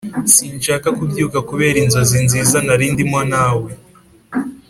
sinshaka kubyuka kubera inzozi nziza nari ndimo hamwe nawe